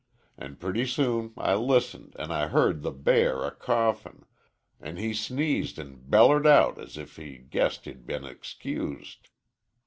An' purty soon I listened an' I heard the bear a coughin', An' he sneezed an' bellered out as if he guessed he'd be excused.